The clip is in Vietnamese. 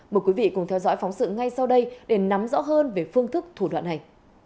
mời quý vị cùng theo dõi phóng sự ngay sau đây để nắm rõ hơn về phương thức thủ đoạn này